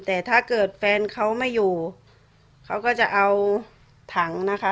แต่ถ้าเกิดแฟนเขาไม่อยู่เขาก็จะเอาถังนะคะ